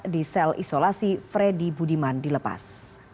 di sel isolasi freddy budiman dilepas